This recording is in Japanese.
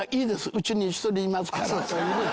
うちに１人いますから。